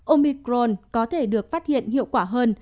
omicron có thể được phát hiện hiệu quả hơn